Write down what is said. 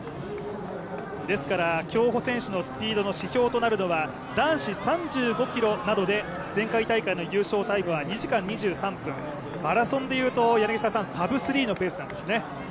競歩選手のスピードの指標となるのは男子３５ｋｍなどで、前回大会の優勝タイムは２時間２３分、マラソンでいうとサブスリーのペースなんですね。